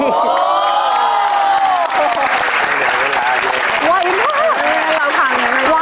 ไหวมาก